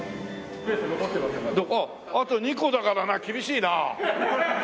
あと２個だからな厳しいなあ。